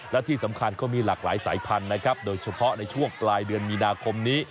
และที่สำคัญเขามีหลากหลายสายพันธุ์นะครับโดยเฉพาะในช่วงปลายเดือนมีนาคมนี้